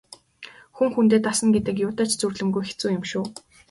Хүн хүндээ дасна гэдэг юутай ч зүйрлэмгүй хэцүү юм шүү.